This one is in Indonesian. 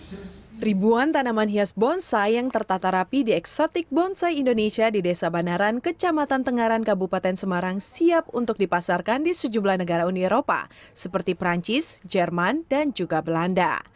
ribuan tanaman hias bonsai yang tertata rapi di eksotik bonsai indonesia di desa banaran kecamatan tenggaran kabupaten semarang siap untuk dipasarkan di sejumlah negara uni eropa seperti perancis jerman dan juga belanda